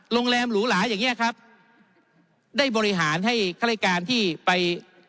โรงแรมหรูหลาอย่างเงี้ยครับได้บริหารให้ข้ารายการที่ไป